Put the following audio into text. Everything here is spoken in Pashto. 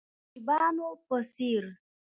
د دیبانو په څیر،